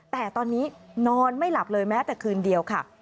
แต่ตอนนี้นอนไม่หลับเลยแม้แต่คืนเดียวค่ะ